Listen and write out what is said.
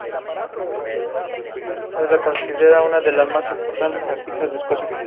Fue de gran importancia, debido a las grandes donaciones que hicieron sus propietarios.